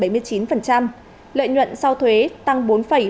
lợi nhuận sau thuế tăng bốn bảy mươi hai